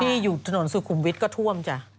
ที่อยู่ถนนสุขุมวิทย์ก็ท่วมจ้ะ